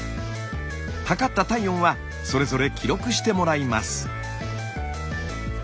測った体温はそれぞれ記録してもらいます。